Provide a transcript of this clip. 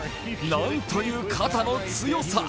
なんという肩の強さ。